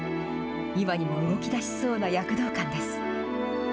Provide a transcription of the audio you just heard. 今にも動きだしそうな躍動感です。